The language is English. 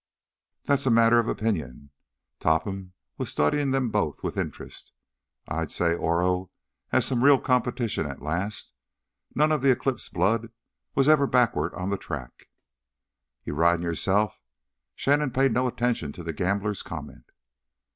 "That's a matter of opinion." Topham was studying them both with interest. "I'd say Oro has him some real competition at last. None of the Eclipse blood was ever backward on the track." "You ridin' yourself?" Shannon paid no attention to the gambler's comment.